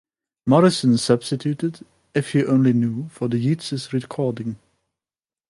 Morrison substituted "If You Only Knew" for the Yeats' recording.